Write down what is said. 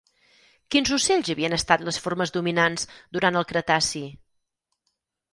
Quins ocells havien estat les formes dominants durant el Cretaci?